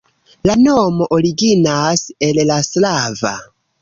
La nomo originas el la slava.